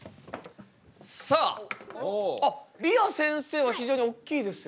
さああっりあせんせいは非常におっきいですよね。